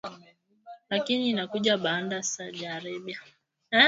lakini inakuja baada ya Saudi Arabia